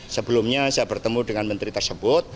sebelumnya saya bertemu dengan menteri tersebut